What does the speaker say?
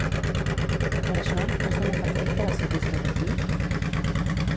Per això, es dona per fet que va ser bisbe d'aquí?